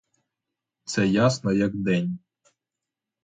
Це ясно як день.